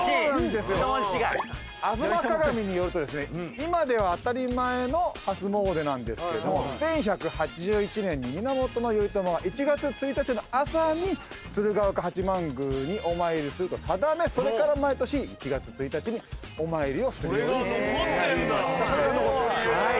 今では当たり前の初詣なんですけれども１１８１年に源頼朝が１月１日の朝に鶴岡八幡宮にお参りすると定めそれから毎年１月１日にお参りをするようになりました。